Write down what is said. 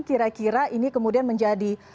kira kira ini kemudian menjadi